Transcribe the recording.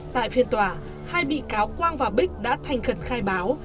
tại phiên tòa hai bị cáo quang và bích đã thành khẩn khai báo